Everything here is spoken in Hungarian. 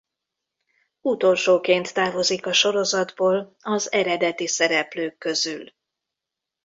Utolsóként távozik a sorozatból az eredeti szereplők közül.